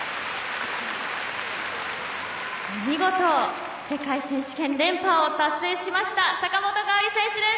見事、世界選手権連覇を達成しました坂本花織選手です。